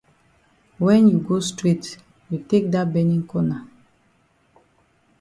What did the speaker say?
When you go straight you take dat benin corner.